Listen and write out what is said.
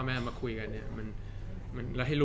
มานั่งคุยกันได้แล้ว